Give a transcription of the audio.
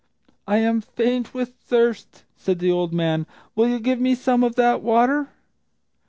"I am faint with thirst," said the old man; "will you give me some of that water?"